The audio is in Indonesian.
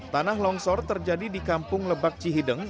tanah longsor terjadi di kampung lebak cihideng